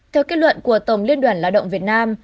theo kết luận của tổng liên đoàn lao động việt nam